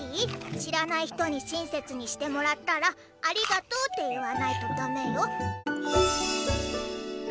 しらない人にしんせつにしてもらったら「ありがとう」って言わないとだめよ。